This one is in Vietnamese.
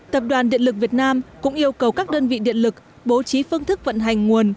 tập đoàn điện lực việt nam cũng yêu cầu các đơn vị điện lực bố trí phương thức vận hành nguồn